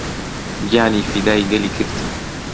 گیانی فیدای گەلی کرد